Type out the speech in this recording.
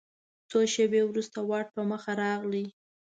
څو شیبې وروسته واټ په مخه راغی.